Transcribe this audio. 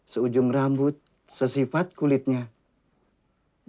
seujung rambut sesifat kulitnya itu adalah kardi yang dihidupkan pada kardi ini